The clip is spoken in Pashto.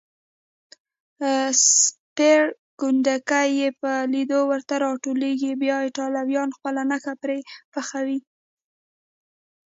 سپېرکونډکې یې په لېدو ورته راټولېږي، بیا ایټالویان خپله نښه پرې پخوي.